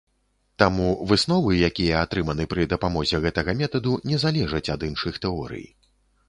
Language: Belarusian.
Таму высновы, якія атрыманы пры дапамозе гэтага метаду, не залежаць ад іншых тэорый.